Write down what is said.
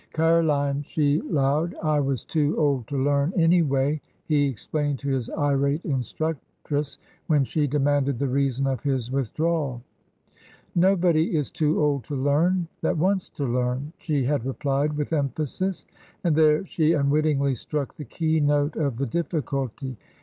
Ca'line she 'lowed I was too old to learn, anyway," he explained to his irate instructress when she demanded the reason of his withdrawal. '' Nobody is too old to learn that wants to learn 1 " she had replied with emphasis. And there she unwittingly struck the key note of the difficulty.